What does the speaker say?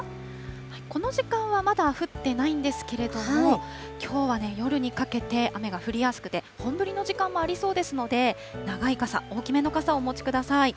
この時間はまだ降ってないんですけれども、きょうはね、夜にかけて雨が降りやすくて、本降りの時間もありそうですので、長い傘、大きめの傘をお持ちください。